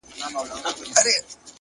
لوړ همت د ناممکن تصور بدلوي,